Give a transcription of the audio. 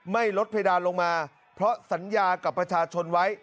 ไม่ลดเพดานลงมาเพราะสัญญากับประชาชนไว้